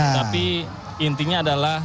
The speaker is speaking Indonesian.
tapi intinya adalah